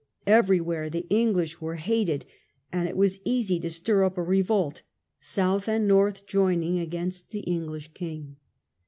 Everywhere the English were hated, and it was easy to stir up a revolt, south and north joining against the 84 THE CONQUEST OF WALES. English king.